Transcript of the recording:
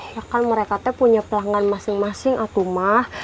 ya kan mereka punya pelanggan masing masing atumah